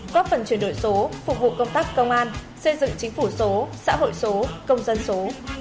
góp phần chuyển đổi số phục vụ công tác công an xây dựng chính phủ số xã hội số công dân số